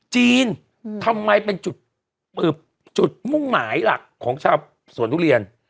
จีนทำไมเป็นจุดมุ่งหมายหลักของชาวสวนทุเรียน